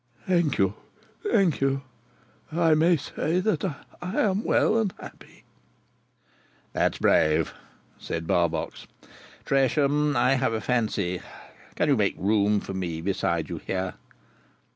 "Thank you, thank you! I may say that I am well and happy." "That's brave," said Barbox. "Tresham, I have a fancy—can you make room for me beside you here?"